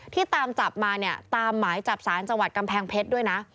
ตามจับมาเนี่ยตามหมายจับสารจังหวัดกำแพงเพชรด้วยนะ